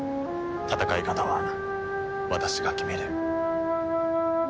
戦い方は私が決める。